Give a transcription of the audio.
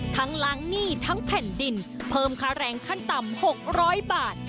ล้างหนี้ทั้งแผ่นดินเพิ่มค่าแรงขั้นต่ำ๖๐๐บาท